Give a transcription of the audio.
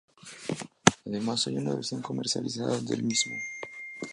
Además hay una versión comercializada del mismo.